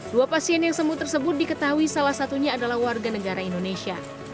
dua pasien yang sembuh tersebut diketahui salah satunya adalah warga negara indonesia